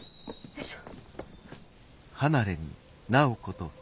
よいしょ。